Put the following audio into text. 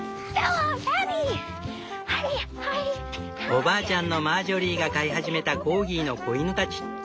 おばあちゃんのマージョリーが飼い始めたコーギーの子犬たち。